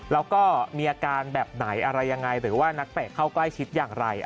แล้วก็มีอาการแบบไหนอะไรยังไงหรือว่านักเตะเข้าใกล้ชิดอย่างไร